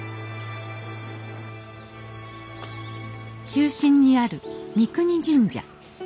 中心にある三國神社。